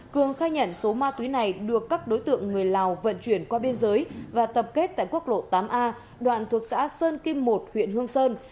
cường khai nhận số ma túy này được các đối tượng người lào vận chuyển qua biên giới và tập kết tại quốc lộ tám a đoạn thuộc xã sơn kim một huyện hương sơn